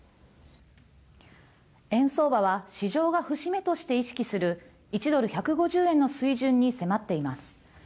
円相場は市場が節目として意識する１ドル１５０円の水準に迫っています。